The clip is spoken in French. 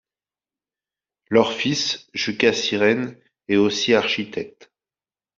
Leur fils Jukka Siren est aussi architecte.